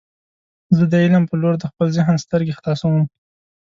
زه د علم په لور د خپل ذهن سترګې خلاصوم.